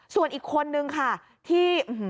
ส่วนอีกคนนึงค่ะที่